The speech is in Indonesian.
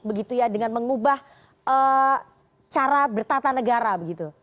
begitu ya dengan mengubah cara bertata negara begitu